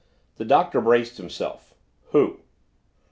The Doctor braced himself. "Who?"